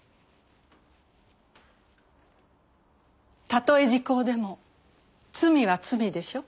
たとえ時効でも罪は罪でしょ？